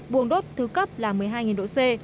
buồng đốt thứ cấp là một mươi hai độ c